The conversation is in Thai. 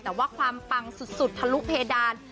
แต่ว่าความปังสุดทะลุเพดาน